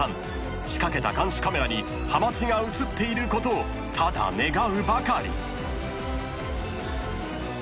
［仕掛けた監視カメラにはまちが映っていることをただ願うばかり］